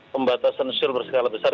pembatasan suruh berskala besar